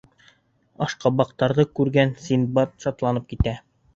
Ашҡабаҡтарҙы күргән Синдбад шатланып китә.